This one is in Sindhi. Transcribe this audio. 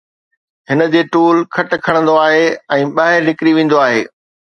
هن جي ٽول کٽ کڻندو آهي ۽ ٻاهر نڪري ويندو آهي